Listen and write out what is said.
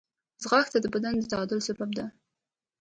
ځغاسته د بدن د تعادل سبب ده